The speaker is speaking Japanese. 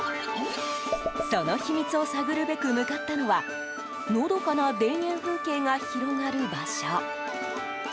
その秘密を探るべく向かったのはのどかな田園風景が広がる場所。